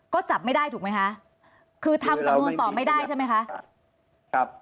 ก็จับไม่ได้ถูกมั้ยคะคือทำสำนวนต่อไม่ได้ใช่มั้ยคะ